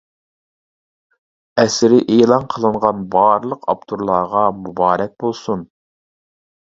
ئەسىرى ئېلان قىلىنغان بارلىق ئاپتورلارغا مۇبارەك بولسۇن!